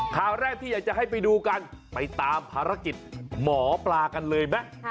ข่าวแรกที่อยากจะให้ไปดูกันไปตามภารกิจหมอปลากันเลยไหม